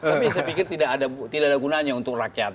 tapi saya pikir tidak ada gunanya untuk rakyat